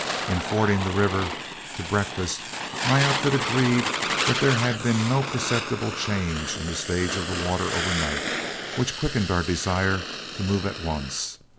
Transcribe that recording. In fording the river to breakfast, my outfit agreed that there had been no perceptible change in the stage of water overnight, which quickened our desire to move at once.